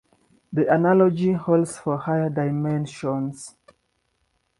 The analogy holds for higher dimensions.